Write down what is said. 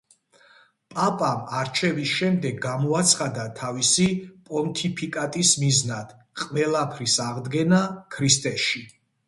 პაპად არჩევის შემდეგ გამოაცხადა თავისი პონტიფიკატის მიზნად „ყველაფრის აღდგენა ქრისტეში“.